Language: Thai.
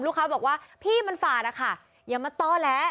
เขาบอกว่าพี่มันฝาดอะค่ะอย่ามาต้อแล้ว